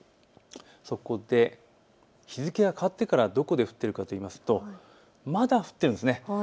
そこで日付が変わってからどこで降っているかといいますとまだ降っているんです。